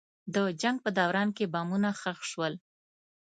د جنګ په دوران کې بمونه ښخ شول.